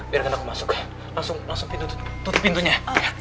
biarkan aku masuk langsung tutup pintunya